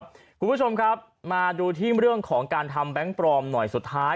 คุณผู้ชมครับมาดูที่เรื่องของการทำแบงค์ปลอมหน่อยสุดท้าย